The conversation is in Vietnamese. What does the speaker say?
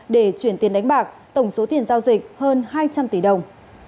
để chuyển tiền đánh bạc tổng số tiền giao dịch hơn hai trăm linh tỷ đồng